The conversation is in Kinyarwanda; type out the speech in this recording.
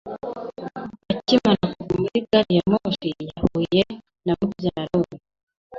Akimara kuva muri gari ya moshi, yahuye na mubyara we.